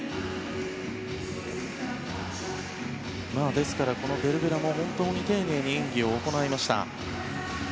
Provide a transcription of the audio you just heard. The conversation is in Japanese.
ですからベルベナも本当に丁寧に演技を行いました。